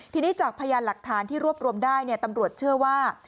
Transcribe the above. ทีนี้จากพยานหลักฐานที่รวบรวมได้ตำรวจเชื่อว่า